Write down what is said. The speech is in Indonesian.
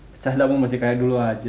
bercanda kamu masih kayak dulu aja